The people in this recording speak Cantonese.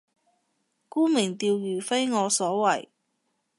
沽名釣譽非我所為